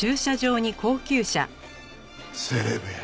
セレブや。